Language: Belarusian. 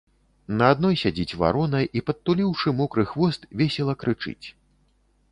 На адной сядзіць варона і, падтуліўшы мокры хвост, весела крычыць.